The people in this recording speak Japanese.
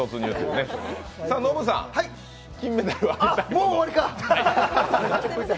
もう終わりか？